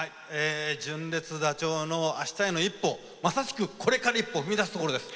純烈ダチョウの「明日への一歩」まさしくこれから一歩を踏み出すところです。